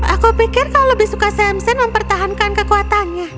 aku pikir kalau lebih suka samson mempertahankan kekuatannya